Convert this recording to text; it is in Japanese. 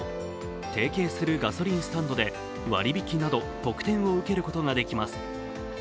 提携するガソリンスタンドで割引きなど特典を受けることができます。